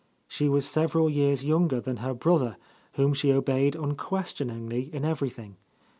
She was several years younger than her brother, whom she obeyed unquestioningly in everything.